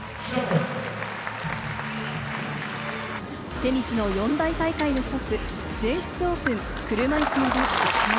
テニスの四大大会の１つ、全仏オープン車いすの部、決勝。